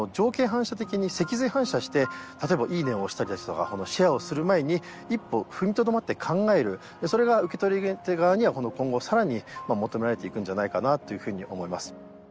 反射的に脊髄反射して例えば「いいね！」を押したりですとかシェアをする前に一歩踏みとどまって考えるそれが受け取り手側には今後さらに求められていくんじゃないかなというふうに思います